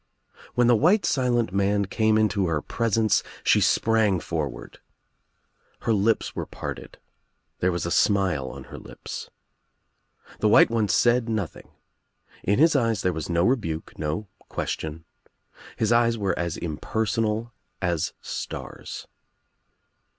When the white silent man came into her presence she sprang forward. THEDUMBMAN 3 Her lips were parted. L There was a smile on her lips. pTlie white one said nothing. In his eyes there was no rebuke, no question. His eyes were as impersonal as stars.